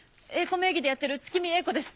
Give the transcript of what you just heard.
名義でやってる月見英子です！